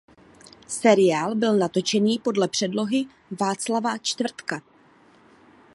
Seriál byl natočený podle předlohy Václava Čtvrtka.